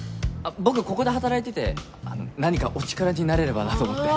僕ここで働いてて何かお力になれればなと思って。